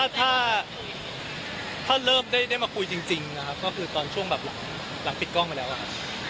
ถ้าเริ่มได้มาคุยจริงนะครับก็คือตอนช่วงแบบหลังปิดกล้องไปแล้วครับ